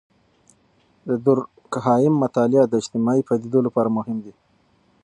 د دورکهايم مطالعات د اجتماعي پدیدو لپاره مهم دي.